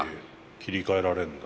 切り替えられるんだ。